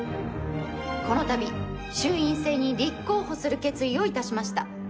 この度衆院選に立候補する決意をいたしました